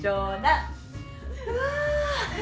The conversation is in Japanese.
うわ！